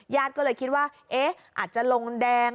ญาติก็เลยคิดว่าเอ๊ะอาจจะลงแดง